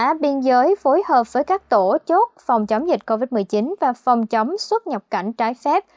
công an biên giới phối hợp với các tổ chốt phòng chống dịch covid một mươi chín và phòng chống xuất nhập cảnh trái phép